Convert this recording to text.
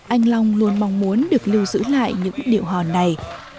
anh long luôn mong muốn được lưu giữ lại những điệu hòn này